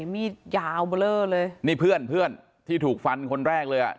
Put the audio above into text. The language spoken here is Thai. มีดยาวเบลอเลยนี่เพื่อนเพื่อนที่ถูกฟันคนแรกเลยอ่ะ